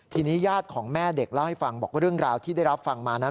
ทีนี้ญาติของแม่เด็กเล่าให้ฟังบอกว่าเรื่องราวที่ได้รับฟังมานั้น